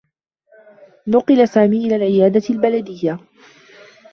نُقل سامي إلى العيادة البلديّة.